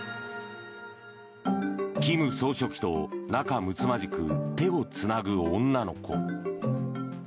金総書記と仲むつまじく手をつなぐ女の子。